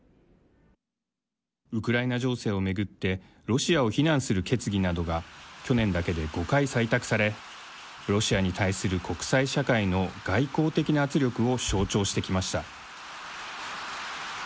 ウクライナ情勢を巡ってロシアを非難する決議などが去年だけで５回採択されロシアに対する国際社会の外交的な圧力を象徴してきました。